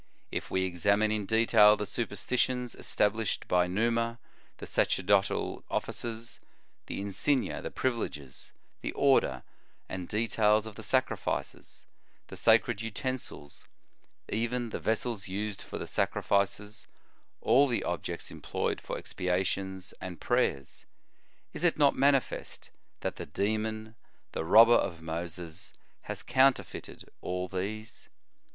If we examine in detail the superstitions established by Numa, the sacerdotal offices, the insignia, the privileges, the order and detail of the sacrifices, the sacred utensils, even the vessels used for the sacrifices, all the objects employed for expiations and prayers ; is it not manifest that the demon, the robber of Moses, has counterfeited all these